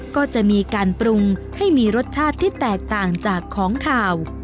ก็จะมีการปรุงให้มีรสชาติที่แตกต่างจากของขาว